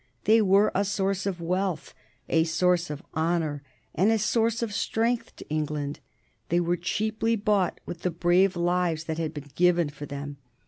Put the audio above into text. They were a source of wealth, a source of honor, and a source of strength to England. They were cheaply bought with the brave lives that had been given for them.